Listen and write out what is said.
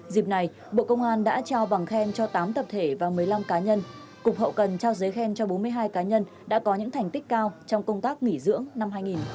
dịp này bộ công an đã trao bằng khen cho tám tập thể và một mươi năm cá nhân cục hậu cần trao giấy khen cho bốn mươi hai cá nhân đã có những thành tích cao trong công tác nghỉ dưỡng năm hai nghìn hai mươi